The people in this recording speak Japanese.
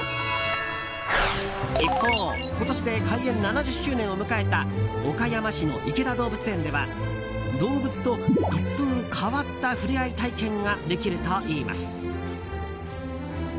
一方今年で開園７０周年を迎えた岡山市の池田動物園では動物と一風変わった触れ合い体験ができるといいます。